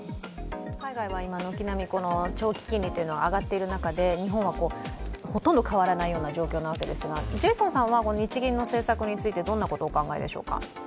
海外は今、軒並み長期金利は上がっている中で日本はほとんど変わらないような状況ですがジェイソンさんは日銀の政策について、どんなことをお考えでしょうか？